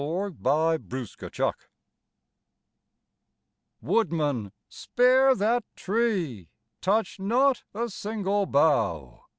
[See Notes] Woodman, spare that tree! Touch not a single bough!